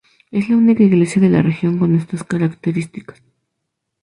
Es la única iglesia de la región con estas características.